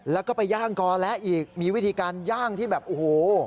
แล้วก็ไปย่างกอและอีกมีวิธีการย่างที่แบบโอ้โห